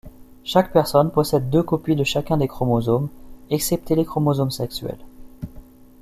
Chaque personne possède deux copies de chacun des chromosomes, excepté les chromosomes sexuels.